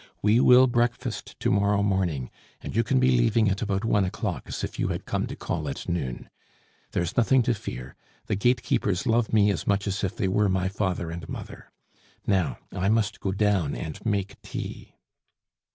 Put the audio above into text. We will breakfast to morrow morning, and you can be leaving at about one o'clock as if you had come to call at noon. There is nothing to fear; the gate keepers love me as much as if they were my father and mother. Now I must go down and make tea."